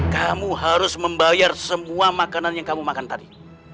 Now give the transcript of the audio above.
kamu harus membayar semua makanan yang kamu makan tadi